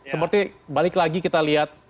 seperti balik lagi kita lihat